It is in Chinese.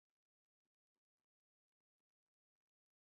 后遂以桦树香烟指代青楼女子所在之处。